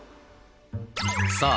．さあ